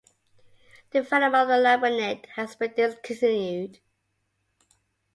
Development of Libranet has been discontinued.